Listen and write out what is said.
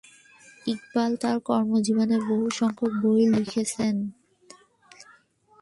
ইকবাল তার কর্মজীবনে বহু সংখ্যক বই লিখেছেন।